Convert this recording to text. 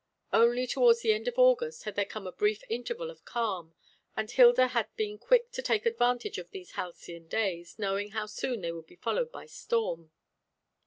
Only towards the end of August had there come a brief interval of calm, and Hilda had been quick to take advantage of these halcyon days, knowing how soon they would be followed by storm.